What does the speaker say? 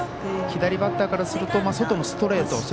左バッターからすると外のストレート。